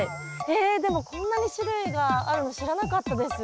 えでもこんなに種類があるの知らなかったです。